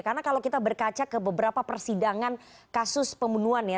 karena kalau kita berkaca ke beberapa persidangan kasus pembunuhan ya